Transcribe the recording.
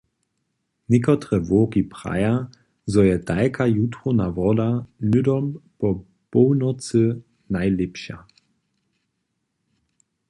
Někotre wowki praja, zo je tajka jutrowna woda hnydom po połnocy najlěpša.